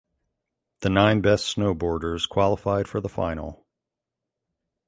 The nine best snowboarders qualified for the final.